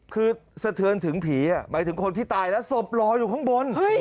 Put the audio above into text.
คือสะเทือนถึงผีหมายถึงคนที่ตายแล้วศพรออยู่ข้างบน